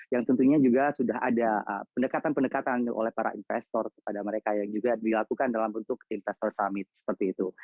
yang tentunya juga sudah ada pendekatan pendekatan oleh para investor kepada mereka yang juga dilakukan dalam bentuk investor summit seperti itu